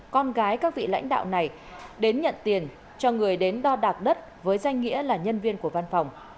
con gái các vị lãnh đạo này đến nhận tiền cho người đến đo đạc đất với danh nghĩa là nhân viên của văn phòng